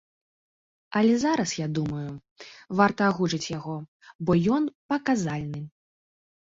Але зараз я думаю, варта агучыць яго, бо ён паказальны.